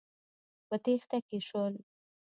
په تېښته کې شول.